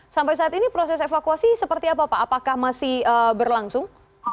sampai saat ini proses evakuasi seperti apa pak apakah masih berlangsung